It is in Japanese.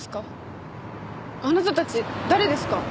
あなたたち誰ですか？